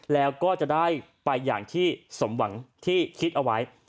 แล้วก็จะได้ไปอย่างที่สมหวังที่คิดเอาไว้